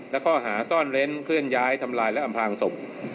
และข้อหาซ่อนเล้นเคลื่อนย้ายทำลายและอำพลางศพ